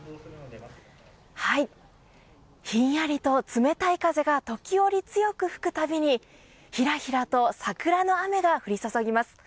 ひんやりと冷たい風が時折、強く吹くたびにひらひらと桜の雨が降り注ぎます。